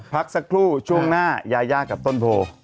พักสักครู่ช่วงหน้ายายากับต้นโพ